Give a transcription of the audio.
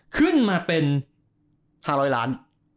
ขึ้นมาเป็น๕๐๐ล้าน